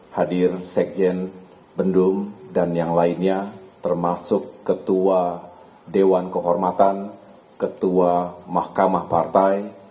hadir sekjen bendung dan yang lainnya termasuk ketua dewan kehormatan ketua mahkamah partai